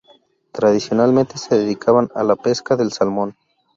Tradicionalmente se dedicaban a la pesca del salmón.